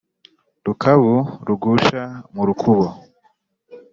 rukabu rugusha mu rukubo